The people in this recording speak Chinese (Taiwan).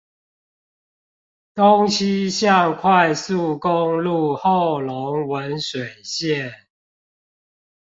東西向快速公路後龍汶水線